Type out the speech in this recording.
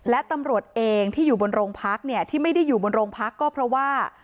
และตำรวจเองที่อยู่บนโรงพักเนี่ยที่ไม่ได้อยู่บนโรงพักก็เพราะว่า